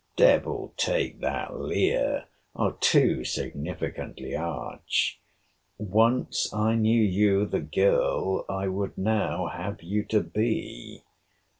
Devil take that leer. Too significantly arch!—Once I knew you the girl I would now have you to be.